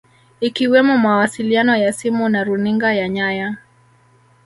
Ikiwemo mawasiliano ya simu na runinga ya nyaya